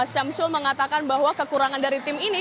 syamsul mengatakan bahwa kekurangan dari tim ini